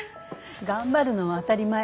頑張るのは当たり前。